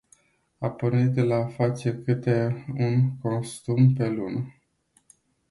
A pornit de la a face câte un costum pe lună.